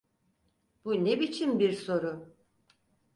Bu ne biçim bir soru?